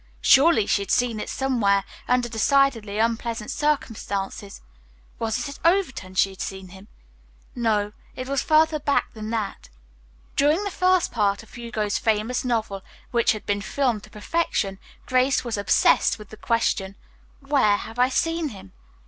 Surely she had seen it somewhere under decidedly unpleasant circumstances. Was it at Overton she had seen him? No, it was further back than that. During the first part of Hugo's famous novel, which had been filmed to perfection, Grace was obsessed with the question: "Where have I seen him?"